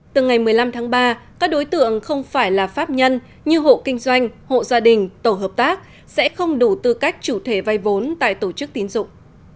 từ ngày một mươi năm tháng ba các đối tượng không phải là pháp nhân như hộ kinh doanh hộ gia đình tổ hợp tác sẽ không đủ tư cách chủ thể vay vốn tại tổ chức tín dụng